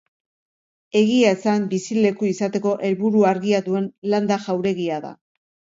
Egia esan, bizileku izateko helburu argia duen landa jauregia da.